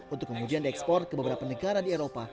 untuk kemudian diekspor ke beberapa negara di eropa